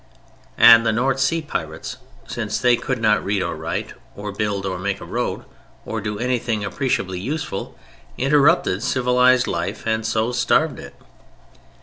] and the North Sea pirates, since they could not read or write, or build or make a road or do anything appreciably useful—interrupted civilized life and so starved it.